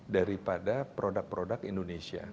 daripada produk produk indonesia